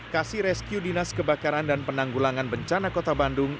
kasih rescue dinas kebakaran dan penanggulangan bencana kota bandung